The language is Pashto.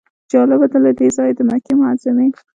جالبه ده له دې ځایه د مکې معظمې.